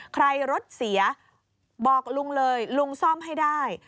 ใครรถเสียบอกลุงเลยลุงซ่อมให้ได้